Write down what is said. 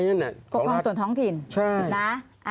ปกครองส่วนท้องถิ่นนะ